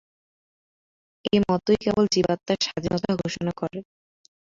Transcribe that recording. এই মতই কেবল জীবাত্মার স্বাধীনতা ঘোষণা করে।